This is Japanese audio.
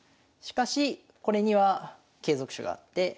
しかしこれには継続手があって。